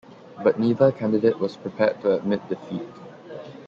But neither candidate was prepared to admit defeat.